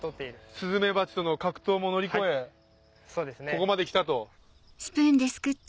スズメバチとの格闘も乗り越えここまで来たと。